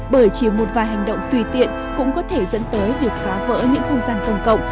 bởi chỉ một vài hành động tùy tiện cũng có thể dẫn tới việc phá vỡ những không gian công cộng